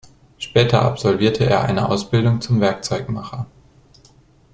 Später absolvierte er eine Ausbildung zum Werkzeugmacher.